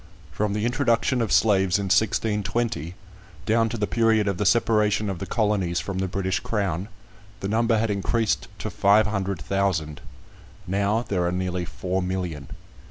From the introduction of slaves in 1620, down to the period of the separation of the Colonies from the British Crown, the number had increased to five hundred thousand; now there are nearly four million.